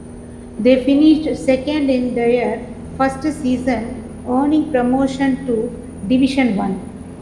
They finished second in their first season, earning promotion to Division One.